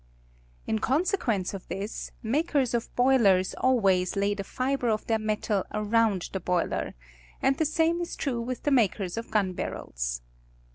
In conseiiuenco of this, makers of boilers always lay the tibre of their metal around the boiler: and the same is true wilh the makers of gun barrels.